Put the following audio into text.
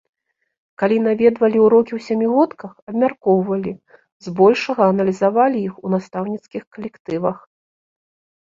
Калі наведвалі ўрокі ў сямігодках, абмяркоўвалі, збольшага аналізавалі іх у настаўніцкіх калектывах.